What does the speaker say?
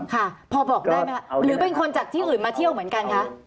ค่ะพอบอกได้ไหมคะหรือเป็นคนจากที่อื่นมาเที่ยวเหมือนกันคะ